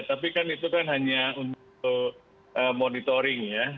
tapi kan itu kan hanya untuk monitoring ya